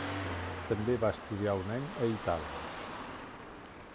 També va estudiar un any a Itàlia.